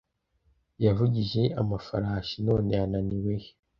yavugije amafarashi - none yananiwe he